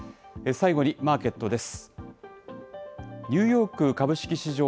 最後にマーケットです。